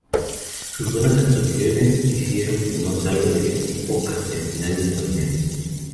Sus buenas actuaciones hicieron que no salga del equipo hasta el final del torneo.